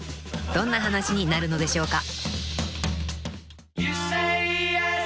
［どんな話になるのでしょうか？］